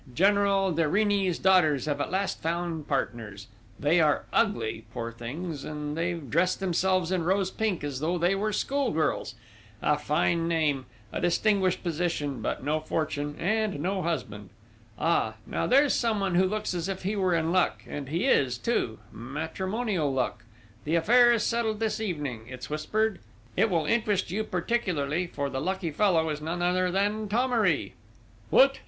General de Rini's daughters have at last found partners: they are ugly, poor things, and they've dressed themselves in rose pink as though they were schoolgirls: a fine name, a distinguished position, but no fortune, and no husband!... Ah, now there's someone who looks as if he were in luck and he is, too matrimonial luck. The affair is settled this evening, it's whispered. It will interest you particularly, for the lucky fellow is none other than Thomery!" "What!